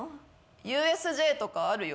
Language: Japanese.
ＵＳＪとかあるよ。